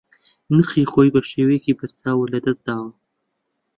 نرخی خۆی بە شێوەیەکی بەرچاو لەدەست داوە